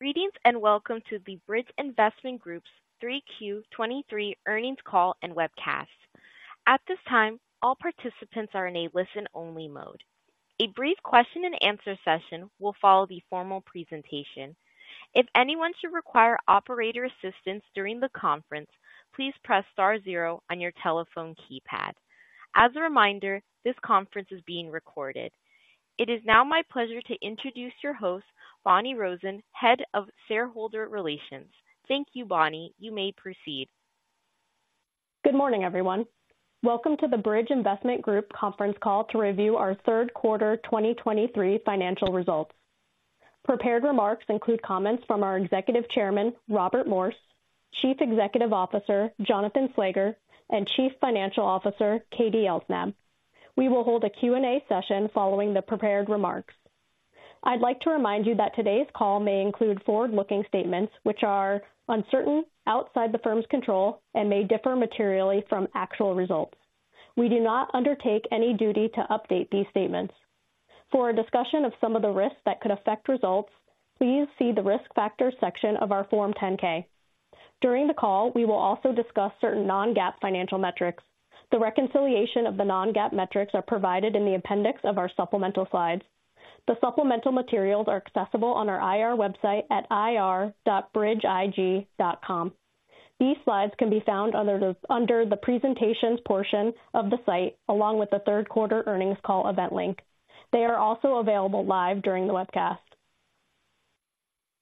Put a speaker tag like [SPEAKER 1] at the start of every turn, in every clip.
[SPEAKER 1] Greetings, and welcome to the Bridge Investment Group's Q3 2023 earnings call and webcast. At this time, all participants are in a listen-only mode. A brief question and answer session will follow the formal presentation. If anyone should require operator assistance during the conference, please press star zero on your telephone keypad. As a reminder, this conference is being recorded. It is now my pleasure to introduce your host, Bonni Rosen, Head of Shareholder Relations. Thank you, Bonni. You may proceed.
[SPEAKER 2] Good morning, everyone. Welcome to the Bridge Investment Group conference call to review our third quarter 2023 financial results. Prepared remarks include comments from our Executive Chairman, Robert Morse, Chief Executive Officer, Jonathan Slager, and Chief Financial Officer, Katie Elsnab. We will hold a Q&A session following the prepared remarks. I'd like to remind you that today's call may include forward-looking statements which are uncertain, outside the firm's control, and may differ materially from actual results. We do not undertake any duty to update these statements. For a discussion of some of the risks that could affect results, please see the Risk Factors section of our Form 10-K. During the call, we will also discuss certain non-GAAP financial metrics. The reconciliation of the non-GAAP metrics are provided in the appendix of our supplemental slides. The supplemental materials are accessible on our IR website at ir.bridgeig.com. These slides can be found under the presentations portion of the site, along with the third quarter earnings call event link. They are also available live during the webcast.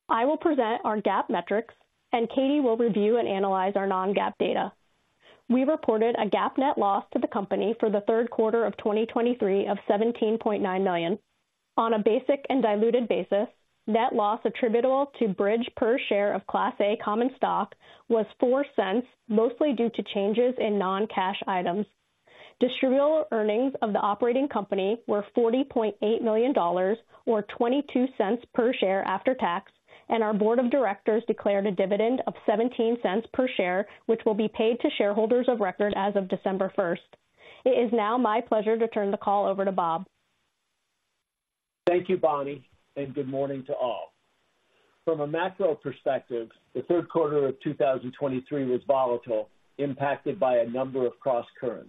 [SPEAKER 2] I will present our GAAP metrics, and Katie will review and analyze our non-GAAP data. We reported a GAAP net loss to the company for the third quarter of 2023 of $17.9 million. On a basic and diluted basis, net loss attributable to Bridge per share of Class A common stock was $0.04, mostly due to changes in non-cash items. Distributable earnings of the operating company were $40.8 million, or $0.22 per share after tax, and our board of directors declared a dividend of $0.17 per share, which will be paid to shareholders of record as of December first. It is now my pleasure to turn the call over to Bob.
[SPEAKER 3] Thank you, Bonni, and good morning to all. From a macro perspective, the third quarter of 2023 was volatile, impacted by a number of crosscurrents.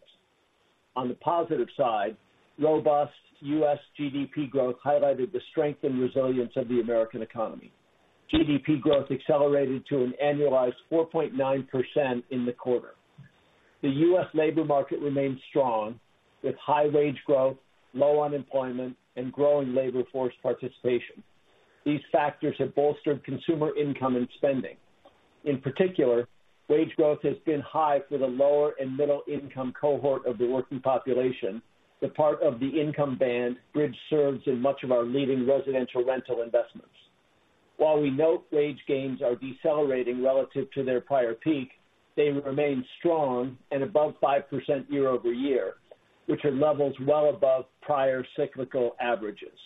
[SPEAKER 3] On the positive side, robust U.S. GDP growth highlighted the strength and resilience of the American economy. GDP growth accelerated to an annualized 4.9% in the quarter. The U.S. labor market remains strong, with high wage growth, low unemployment, and growing labor force participation. These factors have bolstered consumer income and spending. In particular, wage growth has been high for the lower and middle income cohort of the working population, the part of the income band Bridge serves in much of our leading residential rental investments. While we note wage gains are decelerating relative to their prior peak, they remain strong and above 5% year-over-year, which are levels well above prior cyclical averages.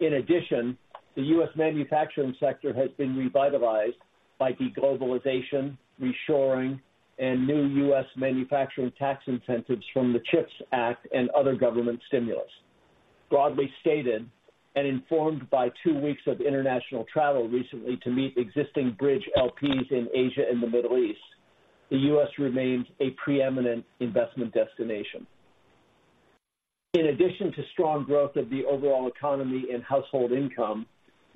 [SPEAKER 3] In addition, the U.S. manufacturing sector has been revitalized by deglobalization, reshoring, and new U.S. manufacturing tax incentives from the CHIPS Act and other government stimulus. Broadly stated, and informed by two weeks of international travel recently to meet existing Bridge LPs in Asia and the Middle East, the U.S. remains a preeminent investment destination. In addition to strong growth of the overall economy and household income,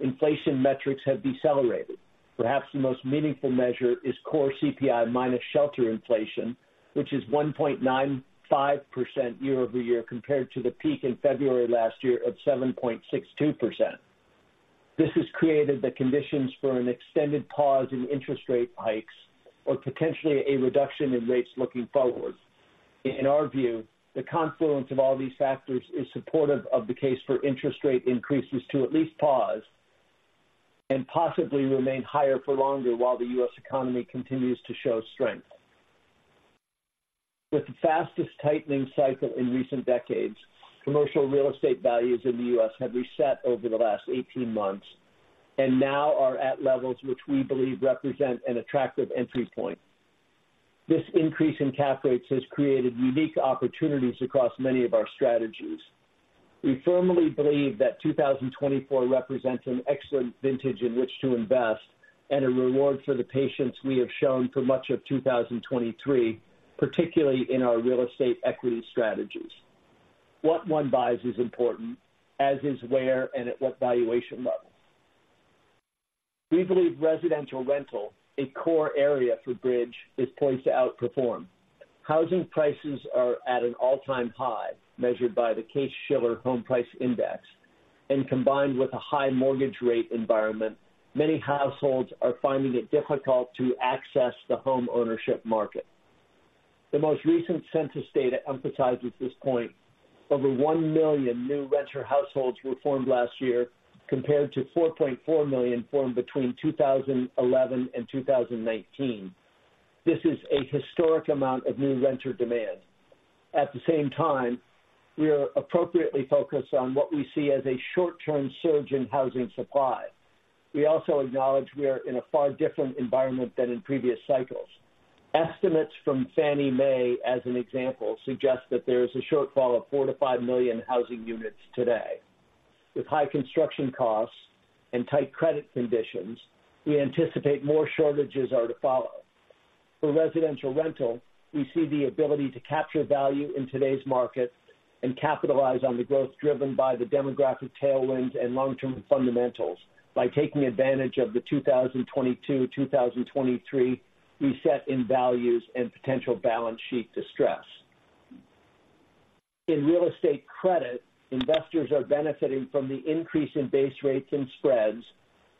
[SPEAKER 3] inflation metrics have decelerated. Perhaps the most meaningful measure is Core CPI minus shelter inflation, which is 1.95% year-over-year, compared to the peak in February last year of 7.62%. This has created the conditions for an extended pause in interest rate hikes or potentially a reduction in rates looking forward. In our view, the confluence of all these factors is supportive of the case for interest rate increases to at least pause and possibly remain higher for longer while the U.S. economy continues to show strength. With the fastest tightening cycle in recent decades, commercial real estate values in the U.S. have reset over the last 18 months and now are at levels which we believe represent an attractive entry point. This increase in cap rates has created unique opportunities across many of our strategies. We firmly believe that 2024 represents an excellent vintage in which to invest and a reward for the patience we have shown for much of 2023, particularly in our real estate equity strategies. What one buys is important, as is where and at what valuation level. We believe residential rental, a core area for Bridge, is poised to outperform. Housing prices are at an all-time high, measured by the Case-Shiller Home Price Index, and combined with a high mortgage rate environment, many households are finding it difficult to access the homeownership market. The most recent census data emphasizes this point. Over 1 million new renter households were formed last year, compared to 4.4 million formed between 2011 and 2019. This is a historic amount of new renter demand. At the same time, we are appropriately focused on what we see as a short-term surge in housing supply. We also acknowledge we are in a far different environment than in previous cycles. Estimates from Fannie Mae, as an example, suggest that there is a shortfall of 4-5 million housing units today. With high construction costs and tight credit conditions, we anticipate more shortages are to follow. For residential rental, we see the ability to capture value in today's market and capitalize on the growth driven by the demographic tailwinds and long-term fundamentals by taking advantage of the 2022, 2023 reset in values and potential balance sheet distress. In real estate credit, investors are benefiting from the increase in base rates and spreads,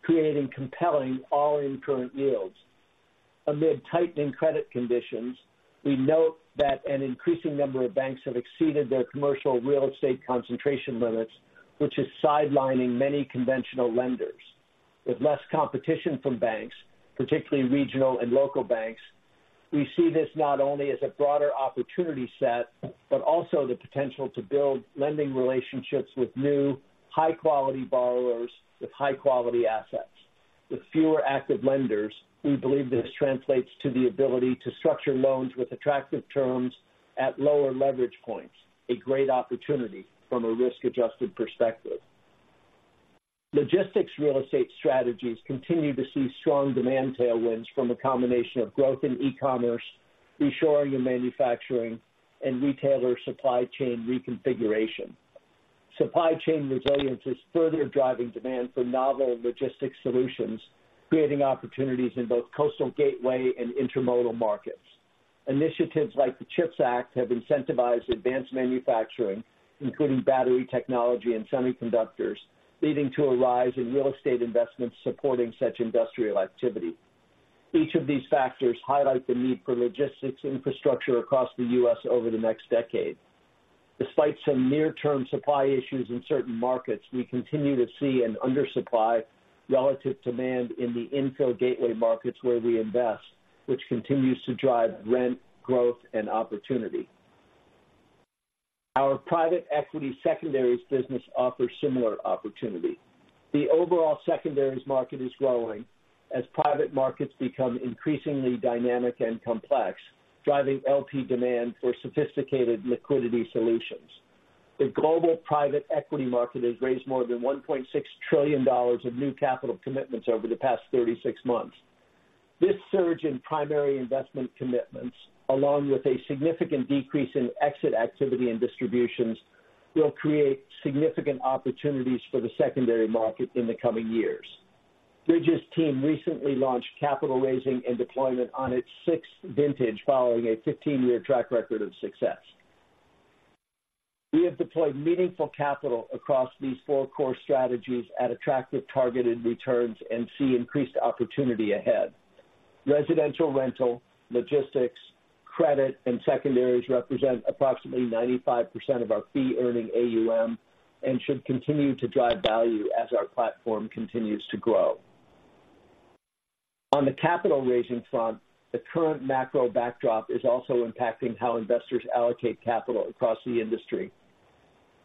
[SPEAKER 3] creating compelling all-in current yields. Amid tightening credit conditions, we note that an increasing number of banks have exceeded their commercial real estate concentration limits, which is sidelining many conventional lenders. With less competition from banks, particularly regional and local banks, we see this not only as a broader opportunity set, but also the potential to build lending relationships with new, high-quality borrowers with high-quality assets. With fewer active lenders, we believe this translates to the ability to structure loans with attractive terms at lower leverage points, a great opportunity from a risk-adjusted perspective. Logistics real estate strategies continue to see strong demand tailwinds from a combination of growth in e-commerce, reshoring of manufacturing, and retailer supply chain reconfiguration. Supply chain resilience is further driving demand for novel logistics solutions, creating opportunities in both coastal gateway and intermodal markets. Initiatives like the CHIPS Act have incentivized advanced manufacturing, including battery technology and semiconductors, leading to a rise in real estate investments supporting such industrial activity. Each of these factors highlight the need for logistics infrastructure across the U.S. over the next decade. Despite some near-term supply issues in certain markets, we continue to see an undersupply relative demand in the infill gateway markets where we invest, which continues to drive rent, growth, and opportunity. Our private equity secondaries business offers similar opportunity. The overall secondaries market is growing as private markets become increasingly dynamic and complex, driving LP demand for sophisticated liquidity solutions. The global private equity market has raised more than $1.6 trillion of new capital commitments over the past 36 months. This surge in primary investment commitments, along with a significant decrease in exit activity and distributions, will create significant opportunities for the secondary market in the coming years. Bridge's team recently launched capital raising and deployment on its sixth vintage, following a 15-year track record of success. We have deployed meaningful capital across these four core strategies at attractive targeted returns and see increased opportunity ahead. Residential rental, logistics, credit, and secondaries represent approximately 95% of our Fee-Earning AUM and should continue to drive value as our platform continues to grow. On the capital raising front, the current macro backdrop is also impacting how investors allocate capital across the industry.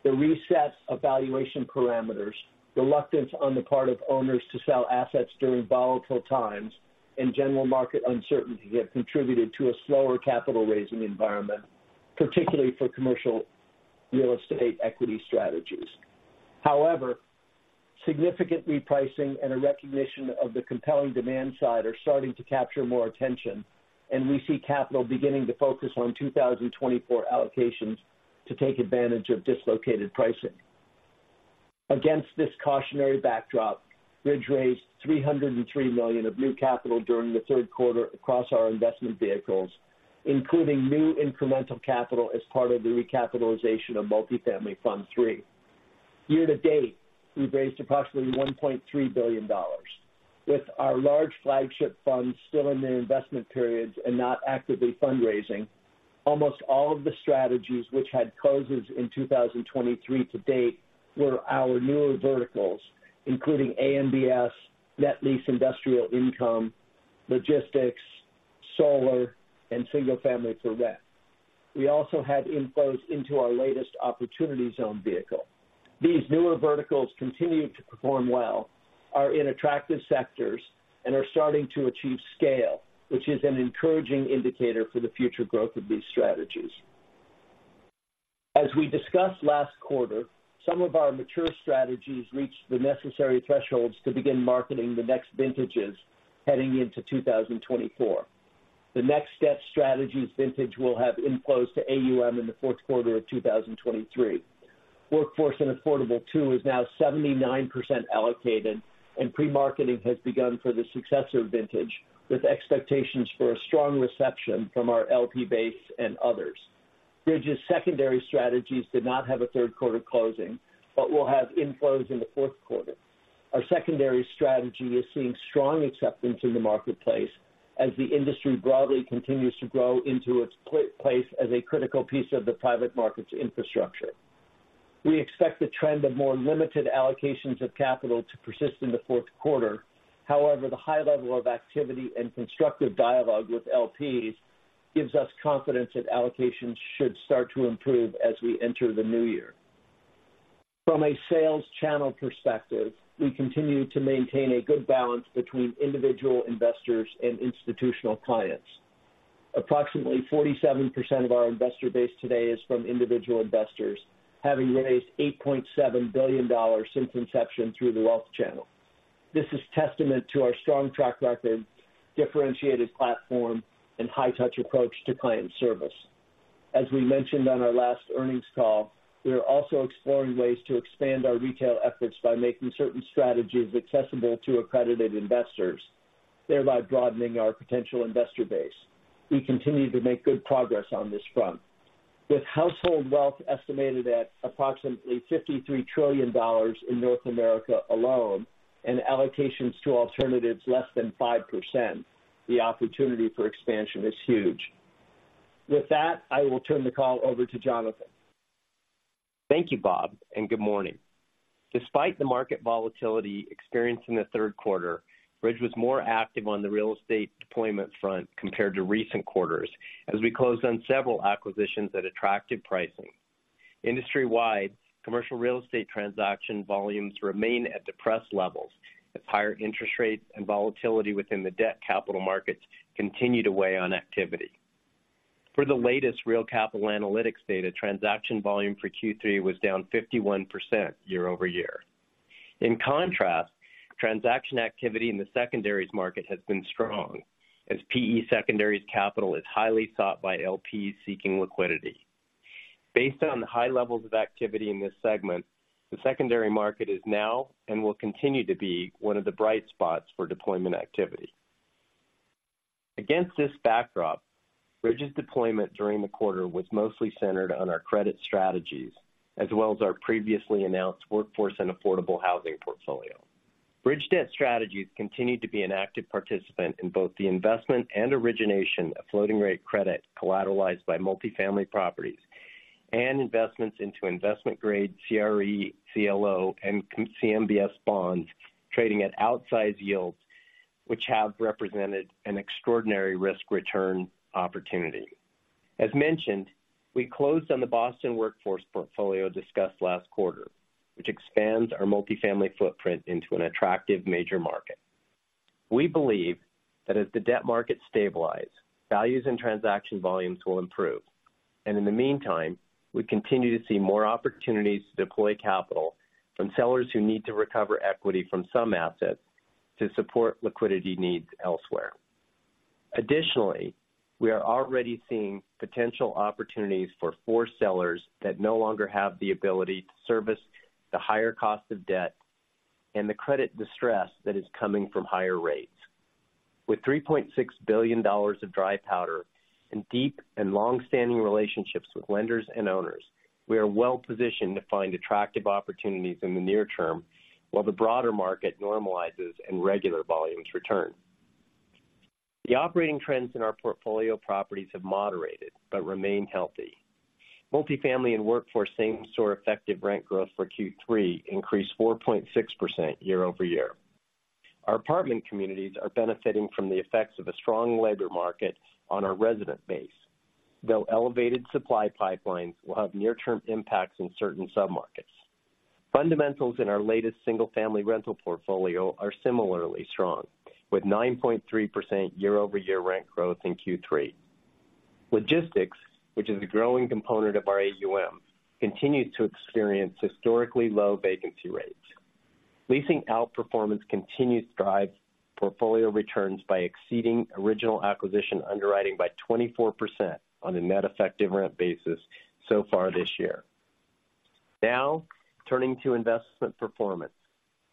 [SPEAKER 3] The reset of valuation parameters, reluctance on the part of owners to sell assets during volatile times, and general market uncertainty have contributed to a slower capital raising environment, particularly for commercial real estate equity strategies. However, significant repricing and a recognition of the compelling demand side are starting to capture more attention, and we see capital beginning to focus on 2024 allocations to take advantage of dislocated pricing. Against this cautionary backdrop, Bridge raised $303 million of new capital during the third quarter across our investment vehicles, including new incremental capital as part of the recapitalization of Multifamily Fund III. Year to date, we've raised approximately $1.3 billion. With our large flagship funds still in their investment periods and not actively fundraising, almost all of the strategies which had closes in 2023 to date were our newer verticals, including AMBS, net lease industrial income, logistics, solar, and single-family for rent. We also had inflows into our latest opportunity zone vehicle. These newer verticals continue to perform well, are in attractive sectors, and are starting to achieve scale, which is an encouraging indicator for the future growth of these strategies. As we discussed last quarter, some of our mature strategies reached the necessary thresholds to begin marketing the next vintages heading into 2024. The next step strategies vintage will have inflows to AUM in the fourth quarter of 2023. Workforce & Affordable II is now 79% allocated, and pre-marketing has begun for the successor vintage, with expectations for a strong reception from our LP base and others. Bridge's secondary strategies did not have a third quarter closing, but will have inflows in the fourth quarter. Our secondary strategy is seeing strong acceptance in the marketplace as the industry broadly continues to grow into its place as a critical piece of the private markets infrastructure. We expect the trend of more limited allocations of capital to persist in the fourth quarter. However, the high level of activity and constructive dialogue with LPs gives us confidence that allocations should start to improve as we enter the new year. From a sales channel perspective, we continue to maintain a good balance between individual investors and institutional clients. Approximately 47% of our investor base today is from individual investors, having raised $8.7 billion since inception through the wealth channel. This is testament to our strong track record, differentiated platform, and high-touch approach to client service. As we mentioned on our last earnings call, we are also exploring ways to expand our retail efforts by making certain strategies accessible to accredited investors, thereby broadening our potential investor base. We continue to make good progress on this front. With household wealth estimated at approximately $53 trillion in North America alone, and allocations to alternatives less than 5%, the opportunity for expansion is huge. With that, I will turn the call over to Jonathan.
[SPEAKER 4] Thank you, Bob, and good morning. Despite the market volatility experienced in the third quarter, Bridge was more active on the real estate deployment front compared to recent quarters, as we closed on several acquisitions at attractive pricing. Industry-wide, commercial real estate transaction volumes remain at depressed levels, as higher interest rates and volatility within the debt capital markets continue to weigh on activity. For the latest Real Capital Analytics data, transaction volume for Q3 was down 51% year-over-year. In contrast, transaction activity in the secondaries market has been strong, as PE Secondaries capital is highly sought by LPs seeking liquidity. Based on the high levels of activity in this segment, the secondary market is now and will continue to be one of the bright spots for deployment activity. Against this backdrop, Bridge's deployment during the quarter was mostly centered on our credit strategies, as well as our previously announced workforce and affordable housing portfolio. Bridge Debt Strategies continued to be an active participant in both the investment and origination of floating rate credit collateralized by multifamily properties and investments into investment-grade CRE, CLO, and CMBS bonds, trading at outsized yields, which have represented an extraordinary risk-return opportunity. As mentioned, we closed on the Boston workforce portfolio discussed last quarter, which expands our multifamily footprint into an attractive major market. We believe that as the debt markets stabilize, values and transaction volumes will improve. In the meantime, we continue to see more opportunities to deploy capital from sellers who need to recover equity from some assets to support liquidity needs elsewhere. Additionally, we are already seeing potential opportunities for four sellers that no longer have the ability to service the higher cost of debt and the credit distress that is coming from higher rates. With $3.6 billion of dry powder and deep and long-standing relationships with lenders and owners, we are well positioned to find attractive opportunities in the near term, while the broader market normalizes and regular volumes return. The operating trends in our portfolio properties have moderated but remain healthy. Multifamily and workforce same-store effective rent growth for Q3 increased 4.6% year-over-year. Our apartment communities are benefiting from the effects of a strong labor market on our resident base, though elevated supply pipelines will have near-term impacts in certain submarkets. Fundamentals in our latest single-family rental portfolio are similarly strong, with 9.3% year-over-year rent growth in Q3. Logistics, which is a growing component of our AUM, continues to experience historically low vacancy rates. Leasing outperformance continues to drive portfolio returns by exceeding original acquisition underwriting by 24% on a net effective rent basis so far this year. Now, turning to investment performance.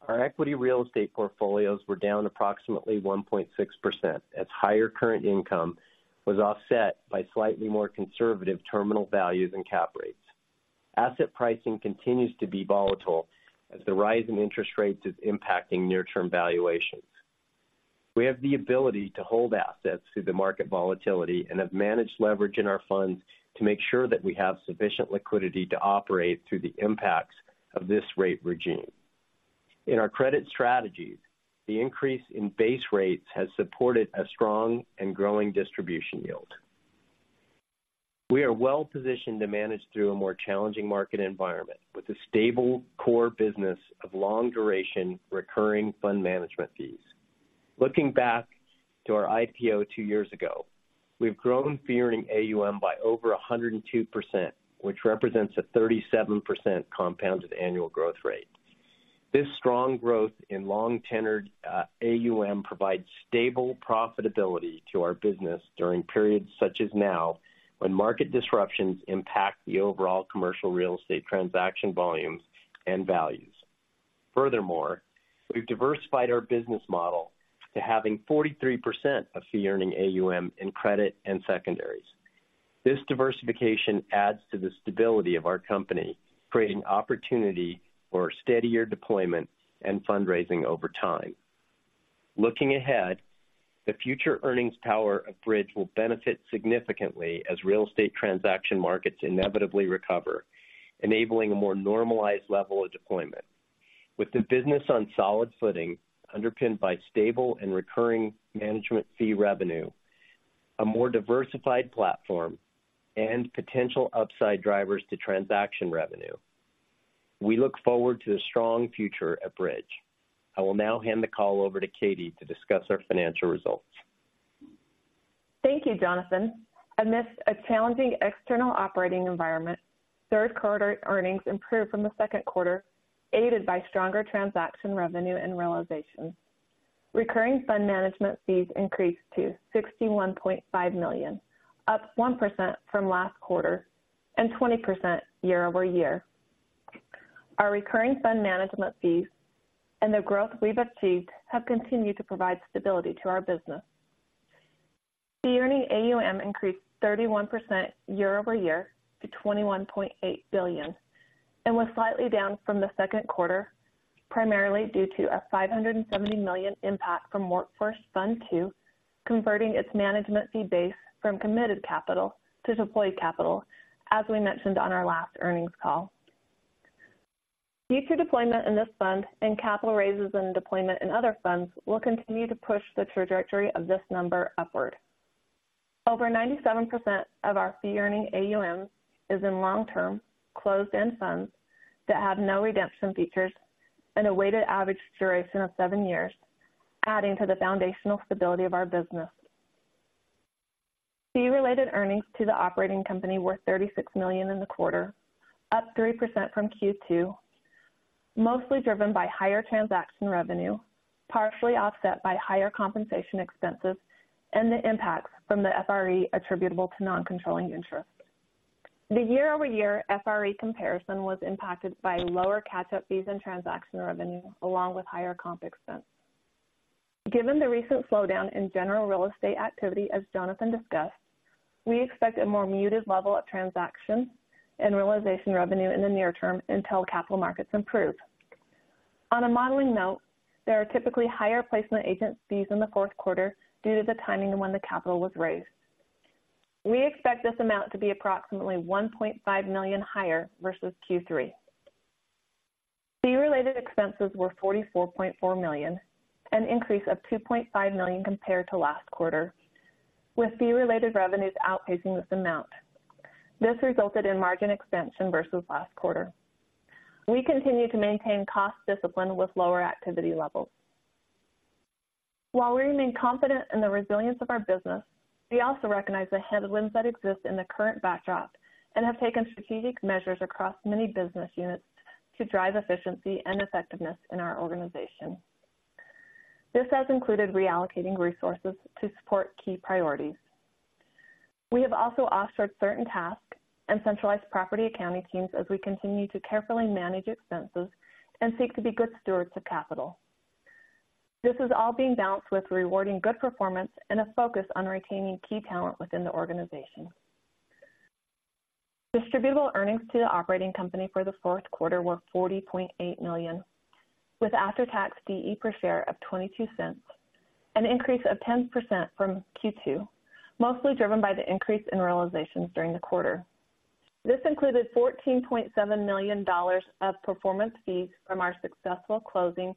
[SPEAKER 4] Our equity real estate portfolios were down approximately 1.6%, as higher current income was offset by slightly more conservative terminal values and cap rates. Asset pricing continues to be volatile as the rise in interest rates is impacting near-term valuations. We have the ability to hold assets through the market volatility and have managed leverage in our funds to make sure that we have sufficient liquidity to operate through the impacts of this rate regime. In our credit strategies, the increase in base rates has supported a strong and growing distribution yield. We are well positioned to manage through a more challenging market environment with a stable core business of long-duration, recurring fund management fees. Looking back to our IPO two years ago, we've grown fee-earning AUM by over 102%, which represents a 37% compounded annual growth rate. This strong growth in long-tenured, AUM provides stable profitability to our business during periods such as now, when market disruptions impact the overall commercial real estate transaction volumes and values. Furthermore, we've diversified our business model to having 43% of fee-earning AUM in credit and secondaries. This diversification adds to the stability of our company, creating opportunity for steadier deployment and fundraising over time. Looking ahead, the future earnings power of Bridge will benefit significantly as real estate transaction markets inevitably recover, enabling a more normalized level of deployment. With the business on solid footing, underpinned by stable and recurring management fee revenue, a more diversified platform, and potential upside drivers to transaction revenue. We look forward to a strong future at Bridge. I will now hand the call over to Katie to discuss our financial results.
[SPEAKER 5] Thank you, Jonathan. Amidst a challenging external operating environment, third quarter earnings improved from the second quarter, aided by stronger transaction revenue and realization. Recurring fund management fees increased to $61.5 million, up 1% from last quarter and 20% year-over-year. Our recurring fund management fees and the growth we've achieved have continued to provide stability to our business. The Fee-Earning AUM increased 31% year-over-year to $21.8 billion, and was slightly down from the second quarter, primarily due to a $570 million impact from Workforce Fund Two, converting its management fee base from committed capital to deployed capital, as we mentioned on our last earnings call. Future deployment in this fund and capital raises and deployment in other funds will continue to push the trajectory of this number upward. Over 97% of our Fee-Earning AUM is in long-term, closed-end funds that have no redemption features and a weighted average duration of seven years, adding to the foundational stability of our business. Fee-Related Earnings to the operating company were $36 million in the quarter, up 3% from Q2, mostly driven by higher transaction revenue, partially offset by higher compensation expenses and the impacts from the FRE attributable to Non-Controlling Interest. The year-over-year FRE comparison was impacted by lower catch-up fees and transaction revenue, along with higher comp expense. Given the recent slowdown in general real estate activity, as Jonathan discussed, we expect a more muted level of transaction and realization revenue in the near term until capital markets improve. On a modeling note, there are typically higher placement agent fees in the fourth quarter due to the timing of when the capital was raised. We expect this amount to be approximately $1.5 million higher versus Q3. Fee-related expenses were $44.4 million, an increase of $2.5 million compared to last quarter, with fee-related revenues outpacing this amount. This resulted in margin expansion versus last quarter. We continue to maintain cost discipline with lower activity levels. While we remain confident in the resilience of our business, we also recognize the headwinds that exist in the current backdrop and have taken strategic measures across many business units to drive efficiency and effectiveness in our organization. This has included reallocating resources to support key priorities. We have also offshored certain tasks and centralized property accounting teams as we continue to carefully manage expenses and seek to be good stewards of capital. This is all being balanced with rewarding good performance and a focus on retaining key talent within the organization. Distributable earnings to the operating company for the fourth quarter were $40.8 million, with after-tax DE per share of $0.22, an increase of 10% from Q2, mostly driven by the increase in realizations during the quarter. This included $14.7 million of performance fees from our successful closing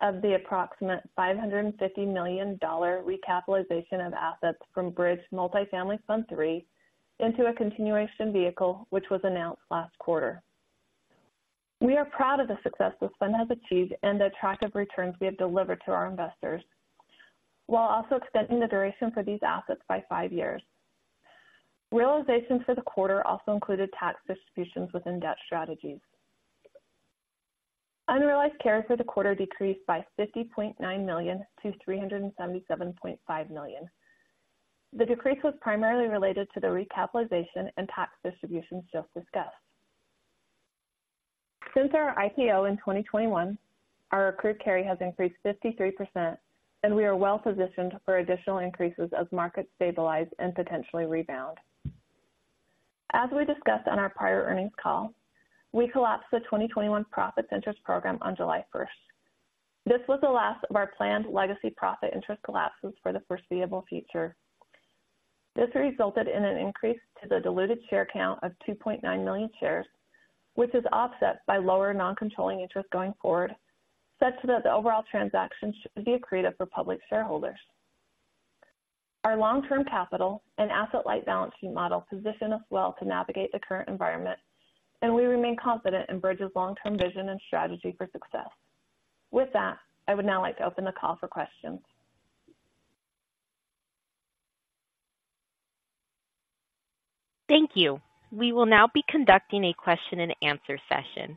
[SPEAKER 5] of the approximate $550 million recapitalization of assets from Bridge Multifamily Fund III into a continuation vehicle, which was announced last quarter. We are proud of the success this fund has achieved and the attractive returns we have delivered to our investors, while also extending the duration for these assets by five years. Realizations for the quarter also included tax distributions within debt strategies. Unrealized carry for the quarter decreased by $50.9 million to $377.5 million. The decrease was primarily related to the recapitalization and tax distributions just discussed. Since our IPO in 2021, our accrued carry has increased 53%, and we are well positioned for additional increases as markets stabilize and potentially rebound. As we discussed on our prior earnings call, we collapsed the 2021 profit interest program on July 1st. This was the last of our planned legacy profit interest collapses for the foreseeable future. This resulted in an increase to the diluted share count of 2.9 million shares, which is offset by lower non-controlling interest going forward, such that the overall transaction should be accretive for public shareholders. Our long-term capital and asset-light balancing model position us well to navigate the current environment, and we remain confident in Bridge's long-term vision and strategy for success. With that, I would now like to open the call for questions.
[SPEAKER 1] Thank you. We will now be conducting a question and answer session.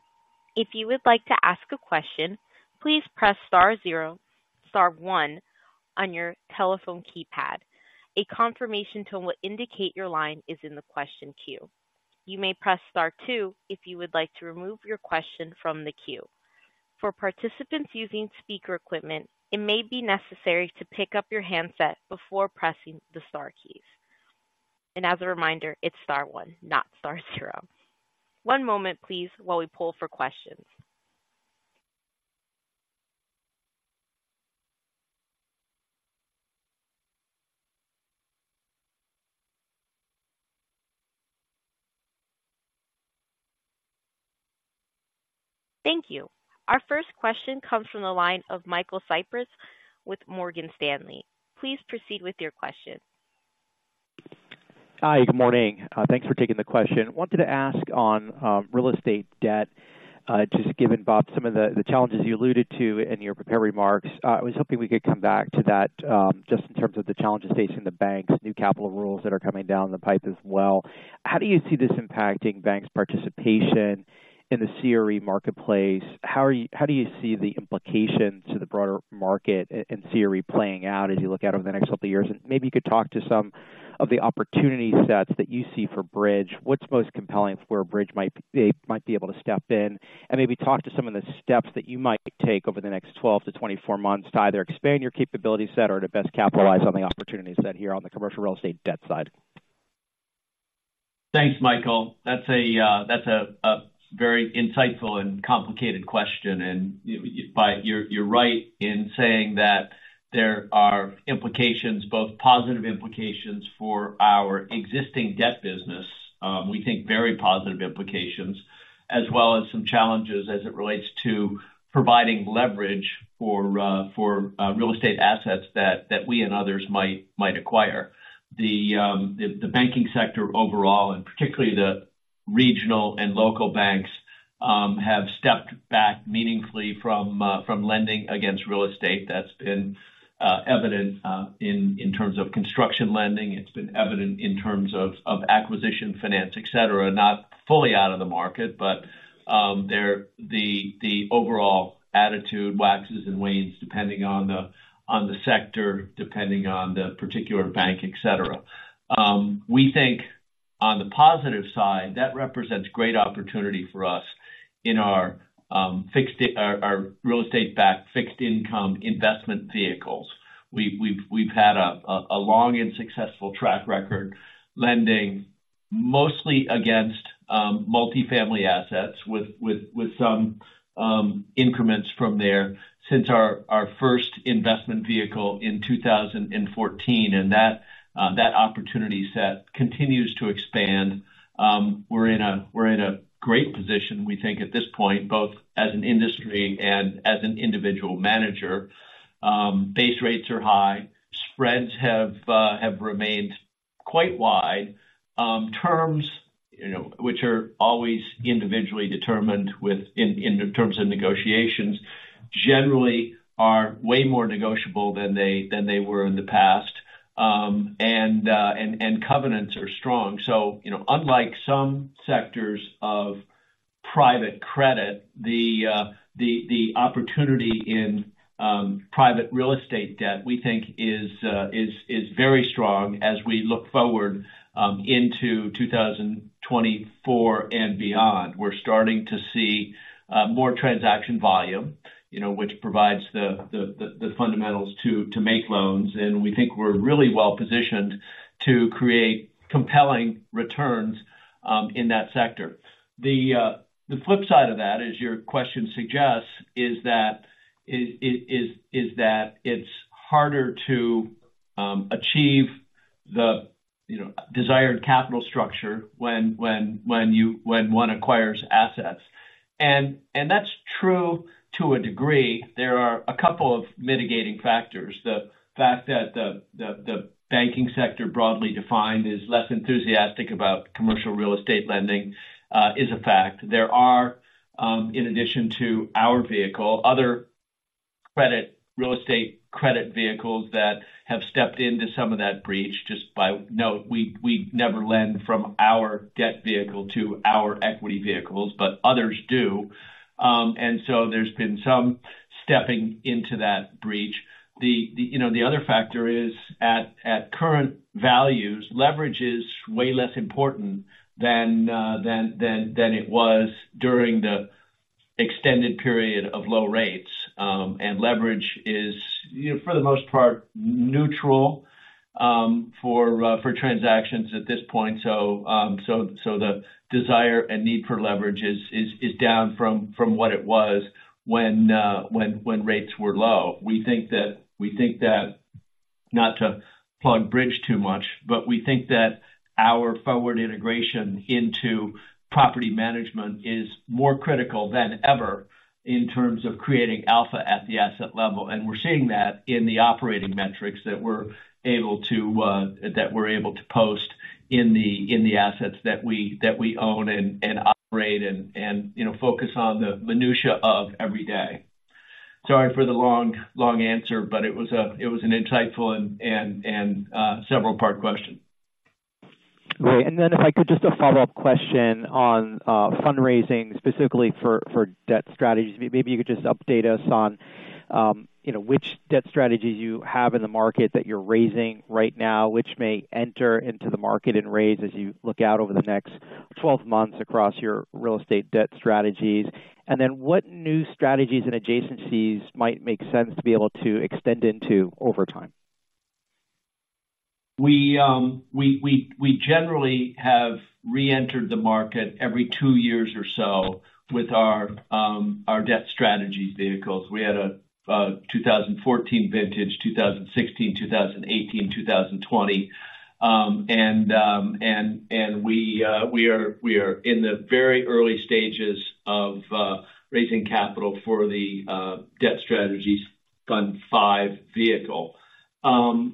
[SPEAKER 1] If you would like to ask a question, please press star zero, star one on your telephone keypad. A confirmation tone will indicate your line is in the question queue. You may press star two if you would like to remove your question from the queue. For participants using speaker equipment, it may be necessary to pick up your handset before pressing the star keys. And as a reminder, it's star one, not star zero. One moment, please, while we poll for questions... Thank you. Our first question comes from the line of Michael Cyprys with Morgan Stanley. Please proceed with your question.
[SPEAKER 6] Hi, good morning. Thanks for taking the question. I wanted to ask on real estate debt, just given, Bob, some of the challenges you alluded to in your prepared remarks. I was hoping we could come back to that, just in terms of the challenges facing the banks, new capital rules that are coming down the pipe as well. How do you see this impacting banks' participation in the CRE marketplace? How do you see the implications to the broader market and CRE playing out as you look out over the next couple of years? And maybe you could talk to some of the opportunity sets that you see for Bridge. What's most compelling for where Bridge might be able to step in? Maybe talk to some of the steps that you might take over the next 12-24 months to either expand your capability set or to best capitalize on the opportunity set here on the commercial real estate debt side?
[SPEAKER 3] Thanks, Michael. That's a very insightful and complicated question, and you know, but you're right in saying that there are implications, both positive implications for our existing debt business, we think very positive implications, as well as some challenges as it relates to providing leverage for real estate assets that we and others might acquire. The banking sector overall, and particularly the regional and local banks, have stepped back meaningfully from lending against real estate. That's been evident in terms of construction lending. It's been evident in terms of acquisition, finance, et cetera. Not fully out of the market, but the overall attitude waxes and wanes depending on the sector, depending on the particular bank, et cetera. We think on the positive side, that represents great opportunity for us in our real estate-backed fixed income investment vehicles. We've had a long and successful track record lending mostly against multifamily assets with some increments from there since our first investment vehicle in 2014, and that opportunity set continues to expand. We're in a great position, we think, at this point, both as an industry and as an individual manager. Base rates are high, spreads have remained quite wide. Terms, you know, which are always individually determined within the terms of negotiations, generally are way more negotiable than they were in the past. And covenants are strong. So, you know, unlike some sectors of private credit, the opportunity in private real estate debt, we think is very strong as we look forward into 2024 and beyond. We're starting to see more transaction volume, you know, which provides the fundamentals to make loans, and we think we're really well positioned to create compelling returns in that sector. The flip side of that, as your question suggests, is that it's harder to achieve the, you know, desired capital structure when one acquires assets. And that's true to a degree. There are a couple of mitigating factors. The fact that the banking sector, broadly defined, is less enthusiastic about commercial real estate lending is a fact. There are, in addition to our vehicle, other credit, real estate credit vehicles that have stepped into some of that breach. Just by note, we never lend from our debt vehicle to our equity vehicles, but others do. And so there's been some stepping into that breach. You know, the other factor is, at current values, leverage is way less important than it was during the extended period of low rates. And leverage is, you know, for the most part, neutral, for transactions at this point. So, the desire and need for leverage is down from what it was when rates were low. We think that, we think that, not to plug Bridge too much, but we think that our forward integration into property management is more critical than ever in terms of creating alpha at the asset level. And we're seeing that in the operating metrics that we're able to post in the assets that we own and operate and, you know, focus on the minutiae of every day. Sorry for the long, long answer, but it was a, it was an insightful and several-part question.
[SPEAKER 6] Great. And then if I could, just a follow-up question on, fundraising, specifically for, for debt strategies. Maybe you could just update us on, you know, which debt strategies you have in the market that you're raising right now, which may enter into the market and raise, as you look out over the next 12 months across your real estate debt strategies. And then, what new strategies and adjacencies might make sense to be able to extend into over time?
[SPEAKER 3] We generally have reentered the market every two years or so with our debt strategies vehicles. We had a 2014 vintage, 2016, 2018, 2020. We are in the very early stages of raising capital for the debt strategy Fund V vehicle. You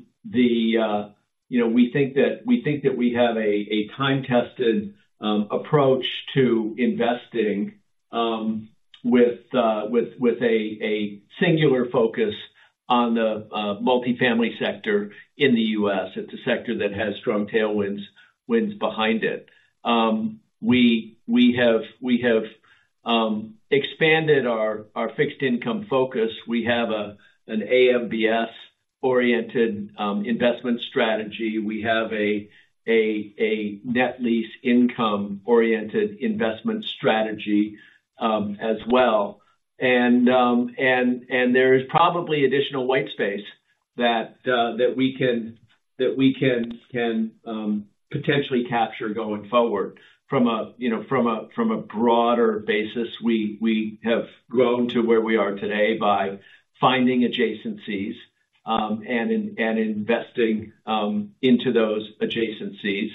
[SPEAKER 3] know, we think that we have a time-tested approach to investing with a singular focus on the multifamily sector in the U.S. It's a sector that has strong tailwinds behind it. We have expanded our fixed income focus. We have an AMBS-oriented investment strategy. We have a net lease income-oriented investment strategy as well. And there is probably additional white space that we can potentially capture going forward. From a, you know, broader basis, we have grown to where we are today by finding adjacencies and investing into those adjacencies.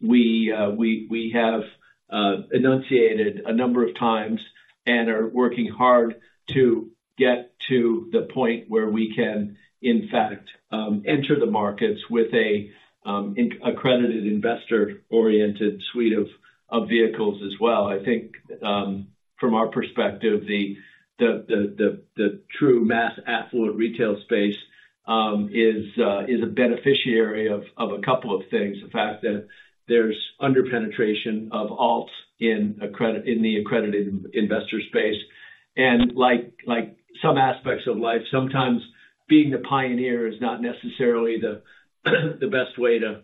[SPEAKER 3] We have enunciated a number of times and are working hard to get to the point where we can, in fact, enter the markets with an accredited investor-oriented suite of vehicles as well. I think, from our perspective, the true mass affluent retail space is a beneficiary of a couple of things. The fact that there's under-penetration of alts in the accredited investor space. And like some aspects of life, sometimes being the pioneer is not necessarily the best way to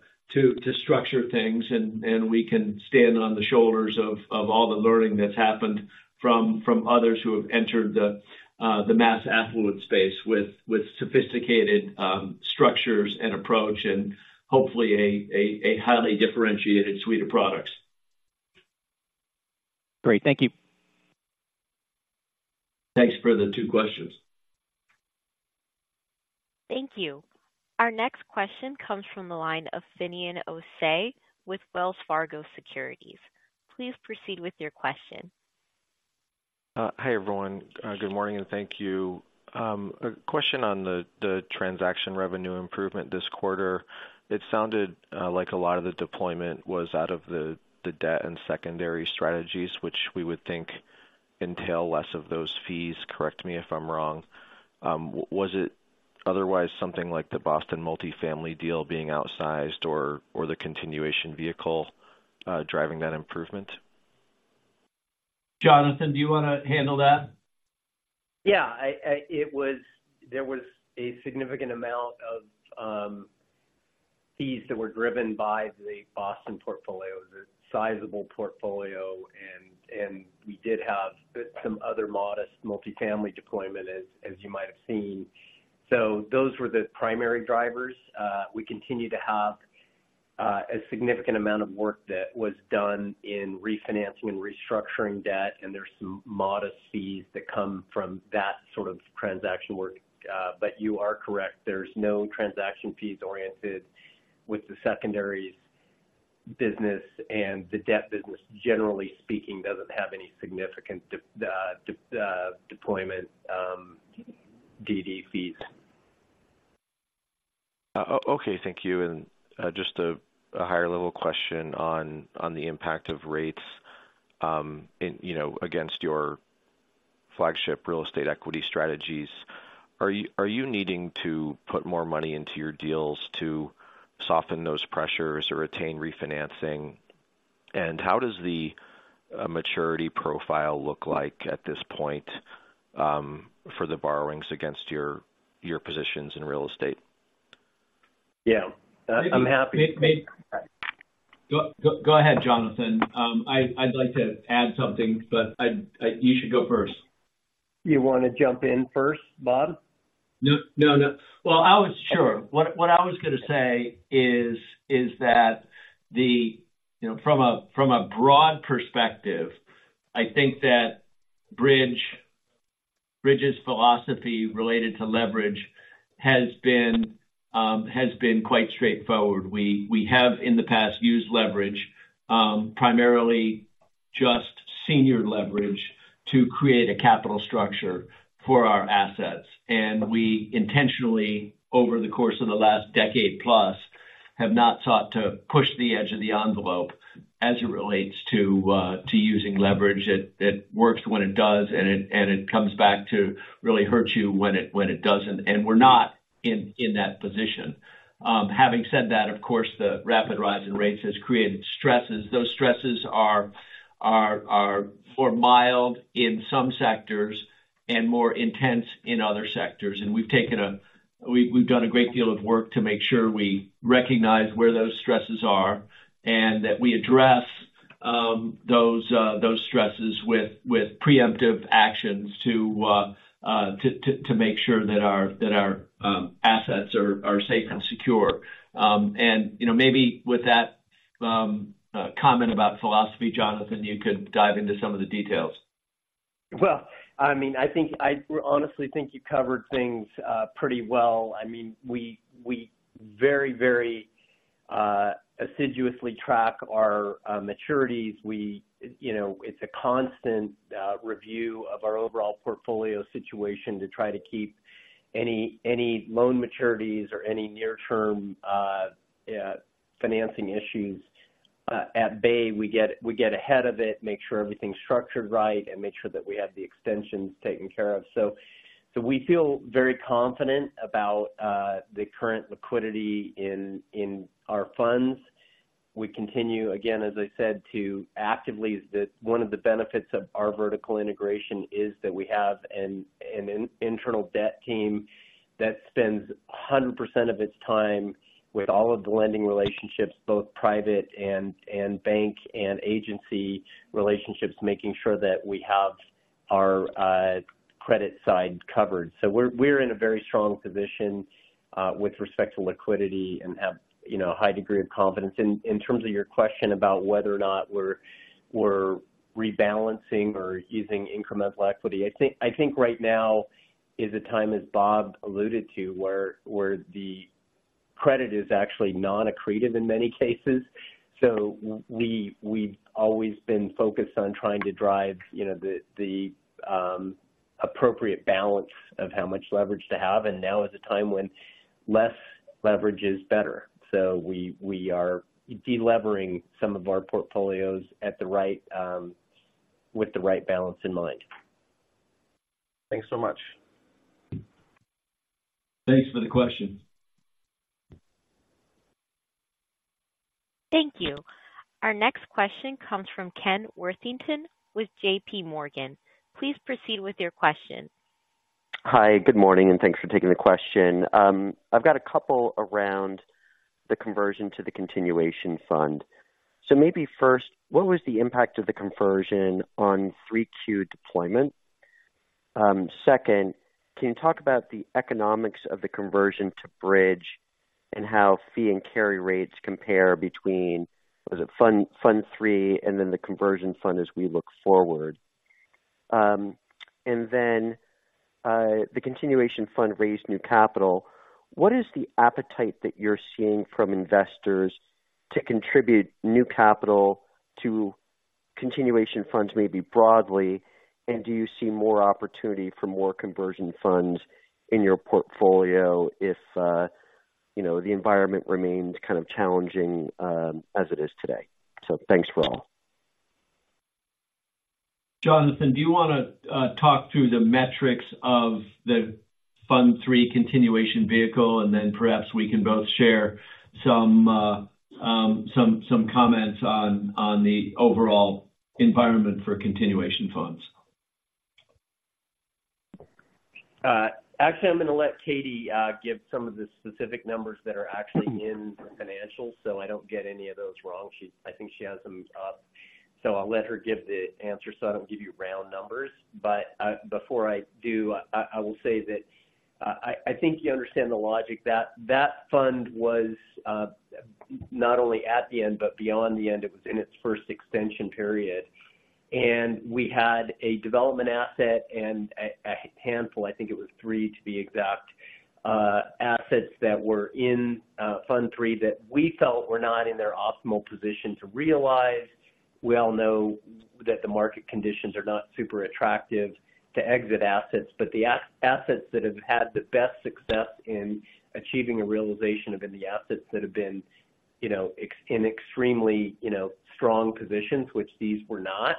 [SPEAKER 3] structure things, and we can stand on the shoulders of all the learning that's happened from others who have entered the mass affluent space with sophisticated structures and approach, and hopefully a highly differentiated suite of products.
[SPEAKER 4] Great. Thank you.
[SPEAKER 3] Thanks for the two questions.
[SPEAKER 1] Thank you. Our next question comes from the line of Finian O'Shea with Wells Fargo Securities. Please proceed with your question.
[SPEAKER 7] Hi, everyone.
[SPEAKER 3] Hi.
[SPEAKER 7] Good morning, and thank you. A question on the transaction revenue improvement this quarter. It sounded like a lot of the deployment was out of the debt and secondary strategies, which we would think entail less of those fees. Correct me if I'm wrong. Was it otherwise something like the Boston multifamily deal being outsized or the continuation vehicle driving that improvement?
[SPEAKER 3] Jonathan, do you wanna handle that?
[SPEAKER 4] Yeah. There was a significant amount of fees that were driven by the Boston portfolio. It was a sizable portfolio, and we did have some other modest multifamily deployment, as you might have seen. So those were the primary drivers. We continue to have a significant amount of work that was done in refinancing and restructuring debt, and there's some modest fees that come from that sort of transaction work. But you are correct, there's no transaction fees oriented with the secondaries business, and the debt business, generally speaking, doesn't have any significant deployment DD fees.
[SPEAKER 7] Okay. Thank you. And just a higher level question on the impact of rates, you know, against your flagship real estate equity strategies. Are you needing to put more money into your deals to soften those pressures or attain refinancing? And how does the maturity profile look like at this point for the borrowings against your positions in real estate?
[SPEAKER 4] Yeah, I'm happy-
[SPEAKER 3] Go ahead, Jonathan. I'd like to add something, but I—you should go first.
[SPEAKER 4] You wanna jump in first, Bob?
[SPEAKER 3] No, no, no. Well, sure. What I was gonna say is that the... You know, from a broad perspective, I think that Bridge's philosophy related to leverage has been quite straightforward. We have, in the past, used leverage primarily just senior leverage to create a capital structure for our assets. And we intentionally, over the course of the last decade plus, have not sought to push the edge of the envelope as it relates to using leverage. It works when it does, and it comes back to really hurt you when it doesn't, and we're not in that position. Having said that, of course, the rapid rise in rates has created stresses. Those stresses are more mild in some sectors and more intense in other sectors. And we've done a great deal of work to make sure we recognize where those stresses are, and that we address those stresses with preemptive actions to make sure that our assets are safe and secure. You know, maybe with that comment about philosophy, Jonathan, you could dive into some of the details.
[SPEAKER 4] ...Well, I mean, I honestly think you covered things pretty well. I mean, we very, very assiduously track our maturities. We, you know, it's a constant review of our overall portfolio situation to try to keep any loan maturities or any near-term financing issues at bay. We get ahead of it, make sure everything's structured right, and make sure that we have the extensions taken care of. So we feel very confident about the current liquidity in our funds. We continue, again, as I said, to actively... One of the benefits of our vertical integration is that we have an in-internal debt team that spends 100% of its time with all of the lending relationships, both private and bank and agency relationships, making sure that we have our credit side covered. So we're in a very strong position with respect to liquidity and have, you know, a high degree of confidence. In terms of your question about whether or not we're rebalancing or using incremental equity, I think right now is a time, as Bob alluded to, where the credit is actually non-accretive in many cases. So we've always been focused on trying to drive, you know, the appropriate balance of how much leverage to have, and now is a time when less leverage is better. So we are delevering some of our portfolios at the right, with the right balance in mind.
[SPEAKER 1] Thanks so much.
[SPEAKER 3] Thanks for the question.
[SPEAKER 1] Thank you. Our next question comes from Ken Worthington with JP Morgan. Please proceed with your question.
[SPEAKER 8] Hi, good morning, and thanks for taking the question. I've got a couple around the conversion to the continuation fund. So maybe first, what was the impact of the conversion on 3Q deployment? Second, can you talk about the economics of the conversion to Bridge and how fee and carry rates compare between, was it fund, Fund III, and then the conversion fund as we look forward? And then, the continuation fund raised new capital. What is the appetite that you're seeing from investors to contribute new capital to continuation funds, maybe broadly, and do you see more opportunity for more conversion funds in your portfolio if, you know, the environment remains kind of challenging, as it is today? So thanks for all.
[SPEAKER 3] Jonathan, do you wanna talk through the metrics of the Fund III continuation vehicle, and then perhaps we can both share some comments on the overall environment for continuation funds?
[SPEAKER 4] Actually, I'm gonna let Katie give some of the specific numbers that are actually in the financials, so I don't get any of those wrong. She, I think she has them up, so I'll let her give the answer, so I don't give you round numbers. But before I do, I will say that I think you understand the logic, that that fund was not only at the end, but beyond the end. It was in its first extension period, and we had a development asset and a handful, I think it was three to be exact, assets that were in Fund III that we felt were not in their optimal position to realize. We all know that the market conditions are not super attractive to exit assets, but the assets that have had the best success in achieving a realization have been the assets that have been, you know, in extremely, you know, strong positions, which these were not.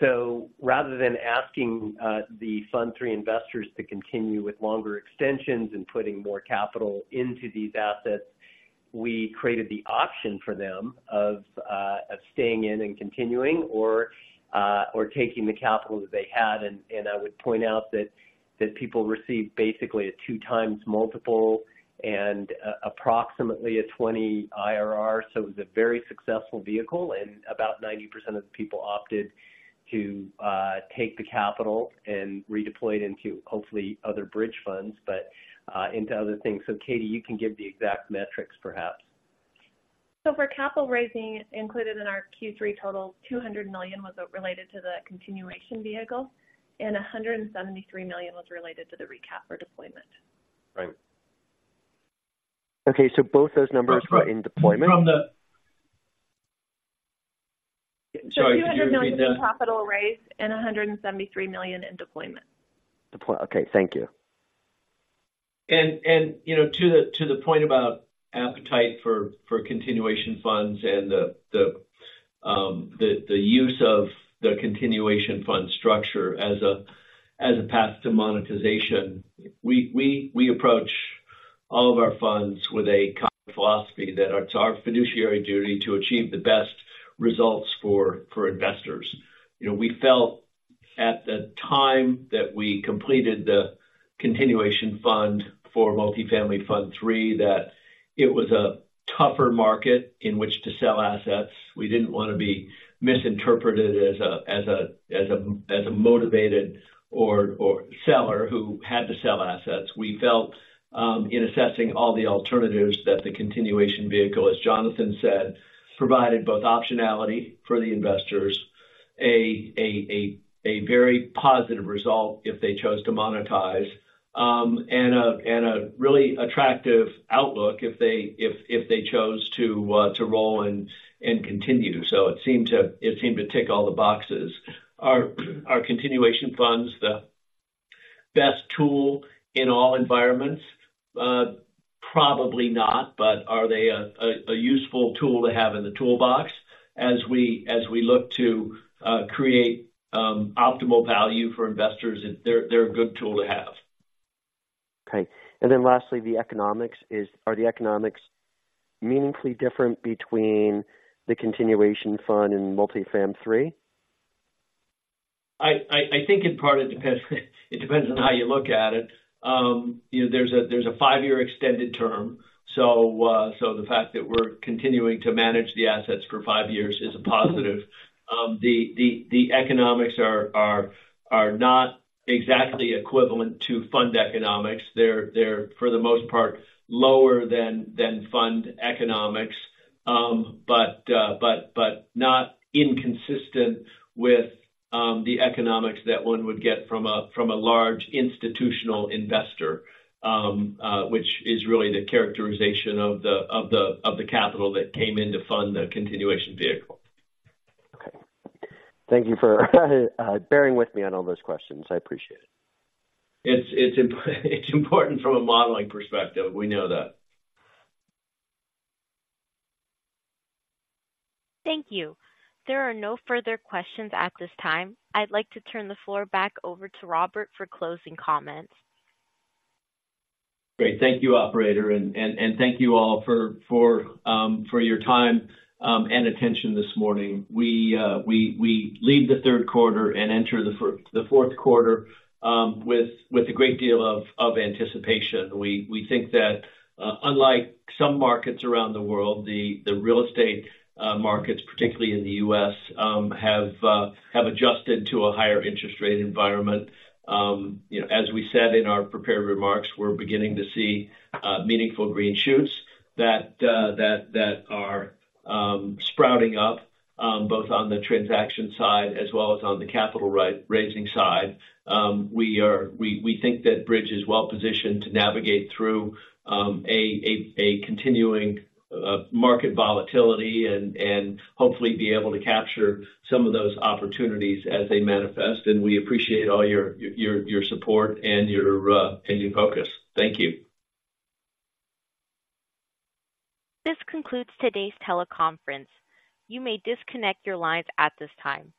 [SPEAKER 4] So rather than asking the Fund III investors to continue with longer extensions and putting more capital into these assets, we created the option for them of staying in and continuing or taking the capital that they had. And I would point out that people received basically a 2x multiple and approximately a 20 IRR. So it was a very successful vehicle, and about 90% of the people opted to take the capital and redeploy it into, hopefully, other bridge funds, but into other things. Katie, you can give the exact metrics, perhaps.
[SPEAKER 5] For capital raising, included in our Q3 total, $200 million was related to the continuation vehicle, and $173 million was related to the recap for deployment.
[SPEAKER 4] Right.
[SPEAKER 8] Okay. So both those numbers are in deployment?
[SPEAKER 3] From the-
[SPEAKER 4] Sorry, did you-
[SPEAKER 5] $200 million in capital raise and $173 million in deployment.
[SPEAKER 8] Deployment. Okay, thank you.
[SPEAKER 3] You know, to the point about appetite for continuation funds and the use of the continuation fund structure as a path to monetization, we approach all of our funds with a kind of philosophy that it's our fiduciary duty to achieve the best results for investors. You know, we felt at the time that we completed the continuation fund for Multifamily Fund III, that it was a tougher market in which to sell assets. We didn't want to be misinterpreted as a motivated or seller who had to sell assets. We felt, in assessing all the alternatives, that the continuation vehicle, as Jonathan said, provided both optionality for the investors-... A very positive result if they chose to monetize, and a really attractive outlook if they chose to roll and continue. So it seemed to tick all the boxes. Are continuation funds the best tool in all environments? Probably not. But are they a useful tool to have in the toolbox as we look to create optimal value for investors? They're a good tool to have.
[SPEAKER 8] Okay. And then lastly, the economics is-- are the economics meaningfully different between the continuation fund and Multifam III?
[SPEAKER 3] I think in part it depends on how you look at it. You know, there's a five-year extended term, so the fact that we're continuing to manage the assets for five years is a positive. The economics are not exactly equivalent to fund economics. They're, for the most part, lower than fund economics, but not inconsistent with the economics that one would get from a large institutional investor, which is really the characterization of the capital that came in to fund the continuation vehicle.
[SPEAKER 8] Okay. Thank you for bearing with me on all those questions. I appreciate it.
[SPEAKER 3] It's important from a modeling perspective. We know that.
[SPEAKER 1] Thank you. There are no further questions at this time. I'd like to turn the floor back over to Robert for closing comments.
[SPEAKER 3] Great. Thank you, operator, and thank you all for your time and attention this morning. We leave the third quarter and enter the fourth quarter with a great deal of anticipation. We think that, unlike some markets around the world, the real estate markets, particularly in the U.S., have adjusted to a higher interest rate environment. You know, as we said in our prepared remarks, we're beginning to see meaningful green shoots that are sprouting up both on the transaction side as well as on the capital raising side. We think that Bridge is well positioned to navigate through a continuing market volatility and hopefully be able to capture some of those opportunities as they manifest. We appreciate all your support and your continued focus. Thank you.
[SPEAKER 1] This concludes today's teleconference. You may disconnect your lines at this time.